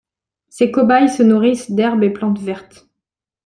Ces cobayes se nourrissent d'herbes et plantes vertes.